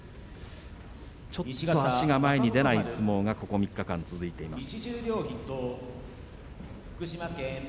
ちょっと足が前に出ない相撲が３日間続いています。